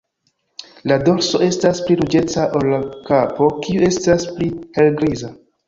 La dorso estas pli ruĝeca ol la kapo, kiu estas pli helgriza.